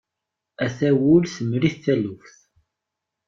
Ata wul temri-t taluft.